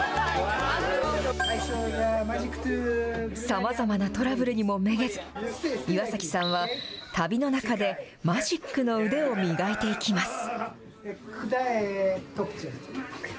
さまざまなトラブルにもめげず、岩崎さんは旅の中でマジックの腕を磨いていきます。